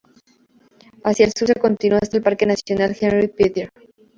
Hacia el Sur se continúa hasta el parque nacional Henri Pittier.